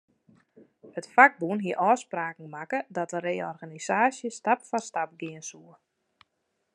It fakbûn hie ôfspraken makke dat de reorganisaasje stap foar stap gean soe.